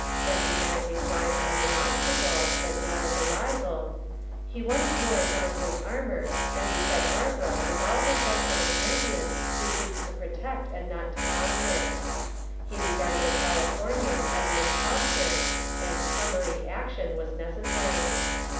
Recognizing Grimes as an obstacle, but not as a rival, he once more donned his armor and beset Barbara with all the zest of a champion who seeks to protect and not to conquer. He regarded the Californian as an impostor and summary action was necessary.